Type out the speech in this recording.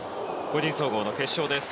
個人総合の決勝です。